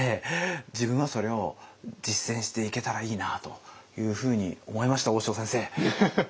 自分はそれを実践していけたらいいなというふうに思いました大塩先生！